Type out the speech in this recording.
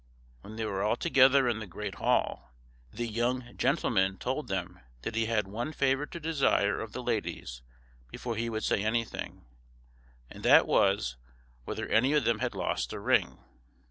When they were all together in the great hall, the young gentleman told them that he had one favour to desire of the ladies before he would say anything, and that was, whether any of them had lost a ring.